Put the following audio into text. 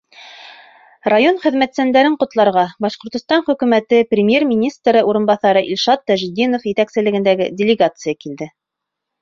Район хеҙмәтсәндәрен ҡотларға Башҡортостан Хөкүмәте Премьер-министры урынбаҫары Илшат Тажетдинов етәкселегендәге делегация килде.